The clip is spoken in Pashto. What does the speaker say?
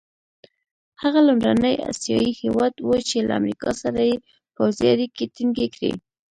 هغه لومړنی اسیایي هېواد وو چې له امریکا سره یې پوځي اړیکي ټینګې کړې.